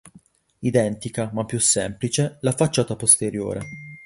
Identica, ma più semplice, la facciata posteriore.